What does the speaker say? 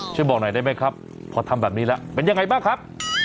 ช่วยบอกหน่อยได้ไหมครับพอทำแบบนี้แล้วเป็นยังไงบ้างครับ